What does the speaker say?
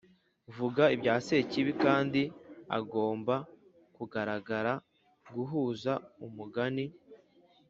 vuga ibya sekibi, kandi agomba kugaragara guhuza umugani